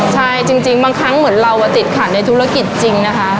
ใช่จริงบางครั้งเหมือนเราติดขัดในธุรกิจจริงนะคะ